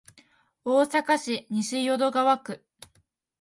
大阪市西淀川区